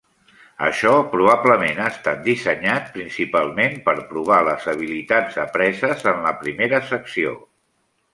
Això probablement ha estat dissenyat principalment per provar les habilitats apreses en la primera secció.